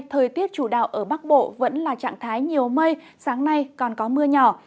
thời tiết chủ đạo ở bắc bộ vẫn là trạng thái nhiều mây sáng nay còn có mưa nhỏ